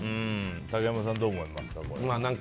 竹山さん、どう思いますか？